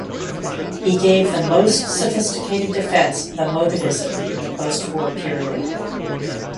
He gave the most sophisticated defense of emotivism in the post-war period.